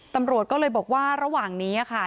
ตำรวจก็เลยบอกว่าระหว่างนี้ค่ะ